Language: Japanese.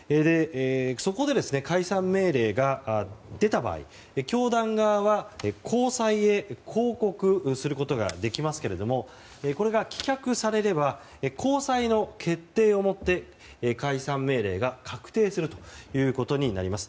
そこで、解散命令が出た場合教団側は高裁へ抗告することができますがこれが棄却されれば高裁の決定をもって解散命令が確定するということになります。